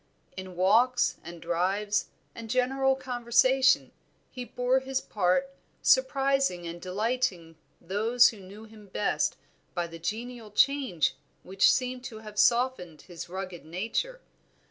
In walks and drives, and general conversation, he bore his part, surprising and delighting those who knew him best by the genial change which seemed to have softened his rugged nature.